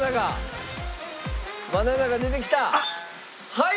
はい！